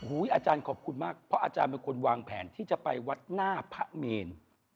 อาจารย์ขอบคุณมากเพราะอาจารย์เป็นคนวางแผนที่จะไปวัดหน้าพระเมน